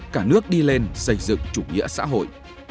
cả nước đi lên xây dựng chủ nghĩa xã hội